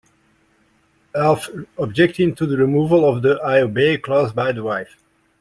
Alf objecting to the removal of the "I obey" clause by the wife.